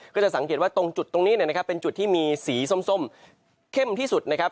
ก็จะสังเกตว่าตรงจุดตรงนี้นะครับเป็นจุดที่มีสีส้มเข้มที่สุดนะครับ